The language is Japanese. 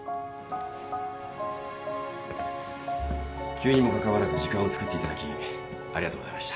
急にもかかわらず時間をつくっていただきありがとうございました。